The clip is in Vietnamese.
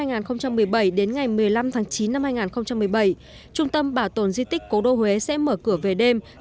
từ ngày hai mươi hai tháng bốn năm hai nghìn một mươi bảy đến ngày một mươi năm tháng chín năm hai nghìn một mươi bảy trung tâm bảo tồn di tích cố đô huế sẽ mở cửa về đêm